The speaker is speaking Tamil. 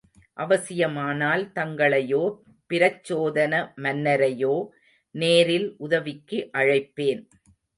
அவசியமானால் தங்களையோ பிரச்சோதன மன்னரையோ நேரில் உதவிக்கு அழைப்பேன்.